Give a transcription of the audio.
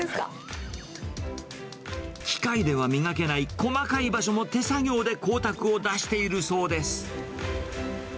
機械では磨けない細かい場所も、手作業で光沢を出しているそうです。